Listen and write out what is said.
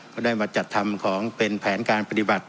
ก็ได้มาจัดทำของเป็นแผนการปฏิบัติ